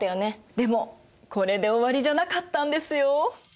でもこれで終わりじゃなかったんですよ。